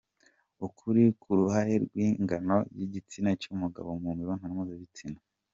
Ukuri k’uruhare rw’ingano y’igitsina cy’umugabo mu mibonano mpuzabitsina.